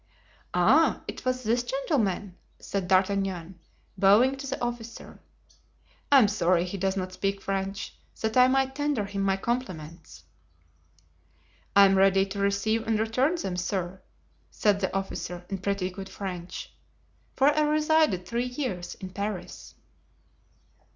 "Ah! it was this gentleman?" said D'Artagnan, bowing to the officer. "I am sorry he does not speak French, that I might tender him my compliments." "I am ready to receive and return them, sir," said the officer, in pretty good French, "for I resided three years in Paris."